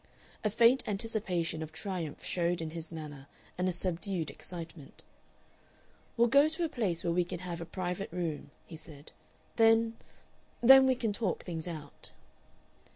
A faint anticipation of triumph showed in his manner and a subdued excitement. "We'll go to a place where we can have a private room," he said. "Then then we can talk things out."